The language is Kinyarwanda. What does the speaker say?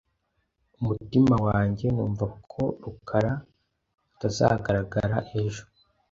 Umutima wanjye numva ko rukara atazagaragara ejo .